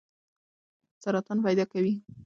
نسوار د خولې سرطان پیدا کوي.